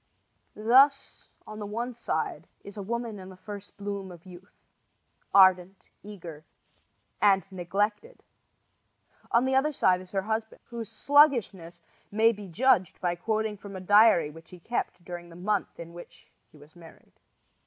Thus on the one side is a woman in the first bloom of youth, ardent, eager and neglected. On the other side is her husband, whose sluggishness may be judged by quoting from a diary which he kept during the month in which he was married.